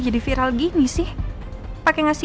kalau beliau kembali melewati bila masih tugas ke situ